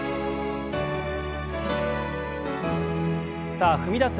さあ踏み出す